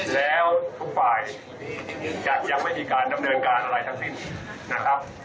แล้วทุกฝ่ายจะยังไม่มีการดำเนินการอะไรทั้งสิ้นนะครับ